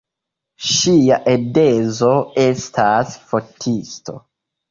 Ŝia edzo estas fotisto.